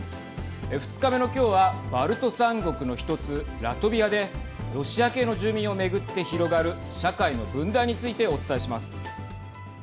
２日目の今日はバルト３国の１つラトビアでロシア系の住民を巡って広がる社会の分断についてお伝えします。